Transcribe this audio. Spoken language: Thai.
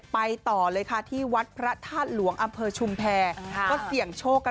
ใหญ่กว่าตัวคุณแคทต์อีก